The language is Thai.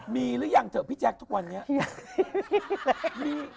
มีหรือยังเถอะพี่แจ๊คทุกวันนี้